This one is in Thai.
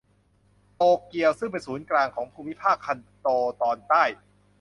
โตเกียวซึ่งเป็นศูนย์กลางของภูมิภาคคันโตตอนใต้